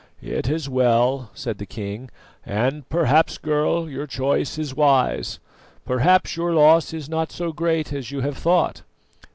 "It is well," said the king, "and perhaps, girl, your choice is wise; perhaps your loss is not so great as you have thought.